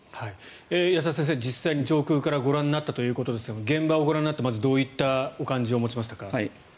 安田先生、実際に上空からご覧になったということですが現場をご覧になってまずどういった感じをお持ちになりましたか？